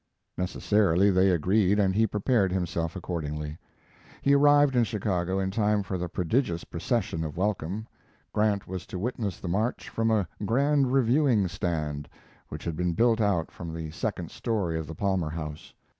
Necessarily they agreed, and he prepared himself accordingly. He arrived in Chicago in time for the prodigious procession of welcome. Grant was to witness the march from a grand reviewing stand, which had been built out from the second story of the Palmer House.